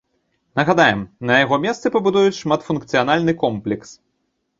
Нагадаем, на яго месцы пабудуюць шматфункцыянальны комплекс.